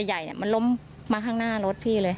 ใหญ่มันล้มมาข้างหน้ารถพี่เลย